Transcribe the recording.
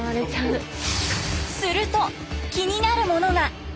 すると気になるものが。